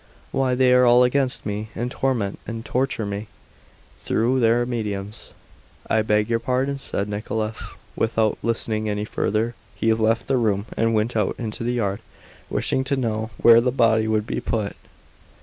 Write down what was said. "Why, they are all against me, and torment and torture me through their mediums." "I beg your pardon," said Nekhludoff, and without listening any further he left the room and went out into the yard, wishing to know where the body would be put.